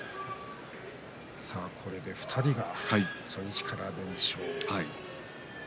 これで２人が初日から連勝です。